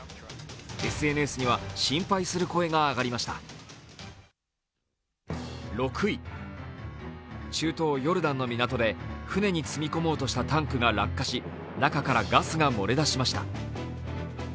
ＳＮＳには心配する声が上がりました６位、中東ヨルダンの港で船に積み込もうとしたタンクが落下し中からガスが漏れ出しました。